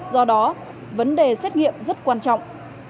do đó vấn đề xét nghiệm rất quan trọng